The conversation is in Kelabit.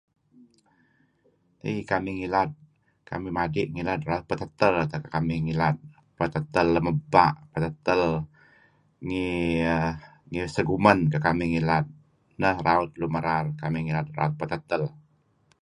Iih kamih ngilad, kamih madi' ngilad raut petetel teh kekamih ngilad. Petetel lem ebpa' petetel ngih err segumen teh kamih ngilad. Neh raut lun merer kamih ngilad. Raut petetel.